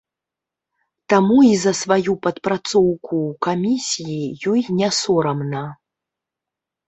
Таму і за сваю падпрацоўку ў камісіі ёй не сорамна.